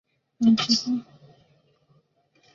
这种战力相当两极化。